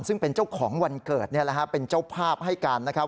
ซึ่งเป็นเจ้าของวันเกิดเป็นเจ้าภาพให้การนะครับ